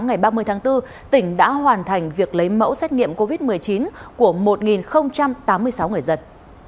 đến hai giờ sáng ngày ba mươi tháng bốn tỉnh đã hoàn thành việc lấy mẫu xét nghiệm covid một mươi chín của một tám mươi sáu người dân